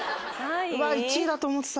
うわ１位だと思ってた。